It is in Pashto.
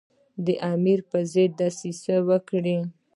د امیر پر ضد دسیسه وکړي.